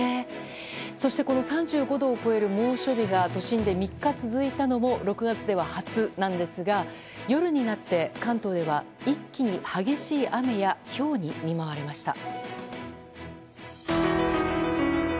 そして３５度を超える猛暑日が都心で３日続いたのも６月では初なんですが夜になって関東では一気に激しい雨やひょうに見舞われました。